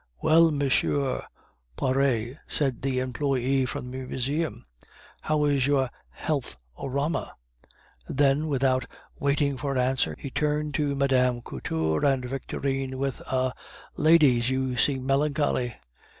"Well, Monsieur r r Poiret," said the employe from the Museum, "how is your health orama?" Then, without waiting for an answer, he turned to Mme. Couture and Victorine with a "Ladies, you seem melancholy."